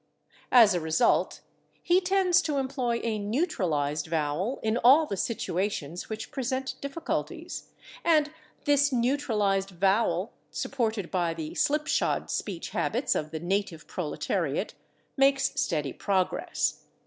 As a result, he tends to employ a neutralized [Pg238] vowel in all the situations which present difficulties, and this neutralized vowel, supported by the slip shod speech habits of the native proletariat, makes steady progress.